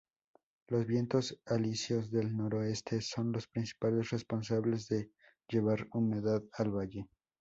Los vientos alisios del noreste son los principales responsables de llevar humedad al Valle.